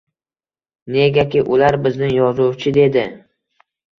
Negaki, ular bizni yozuvchi dedi.